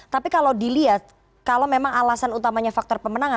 tapi kalau dilihat kalau memang alasan utamanya faktor pemenangan